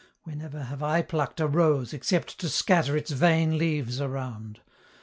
Whenever have I pluck'd a rose, Except to scatter its vain leaves around?